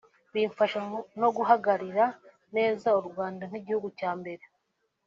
bimfasha no guhagararira neza u Rwanda nk’igihugu cyambyaye